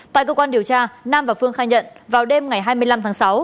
tại cơ quan điều tra nam và phương khai nhận vào đêm ngày hai mươi năm tháng sáu